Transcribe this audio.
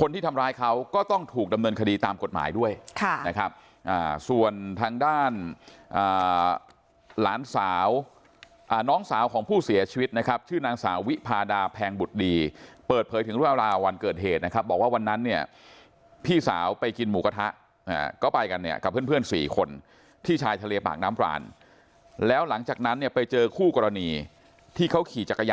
คนที่ทำร้ายเขาก็ต้องถูกดำเนินคดีตามกฎหมายด้วยนะครับส่วนทางด้านหลานสาวน้องสาวของผู้เสียชีวิตนะครับชื่อนางสาววิพาดาแพงบุตรดีเปิดเผยถึงเรื่องราววันเกิดเหตุนะครับบอกว่าวันนั้นเนี่ยพี่สาวไปกินหมูกระทะก็ไปกันเนี่ยกับเพื่อนสี่คนที่ชายทะเลปากน้ำพรานแล้วหลังจากนั้นเนี่ยไปเจอคู่กรณีที่เขาขี่จักรยาน